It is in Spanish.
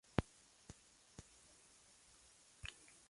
Inmigración rusa en España